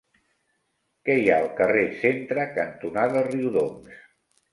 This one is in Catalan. Què hi ha al carrer Centre cantonada Riudoms?